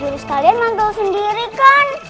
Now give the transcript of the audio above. jurus kalian mantul sendiri kan